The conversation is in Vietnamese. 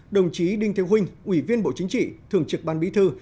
đồng chí đinh theo huynh ủy viên bộ chính trị thường trực ban bí thư